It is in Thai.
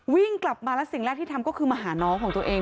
วิ่งกลับมาแล้วสิ่งแรกที่ทำก็คือมาหาน้องของตัวเอง